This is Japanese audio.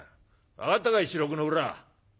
分かったかい四六の裏」。